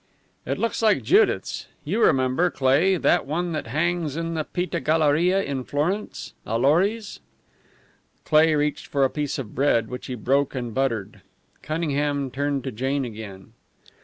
"It looks like Judith's. You remember, Cleigh, the one that hangs in the Pitti Galleria in Florence Allori's?" Cleigh reached for a piece of bread, which he broke and buttered. Cunningham turned to Jane again.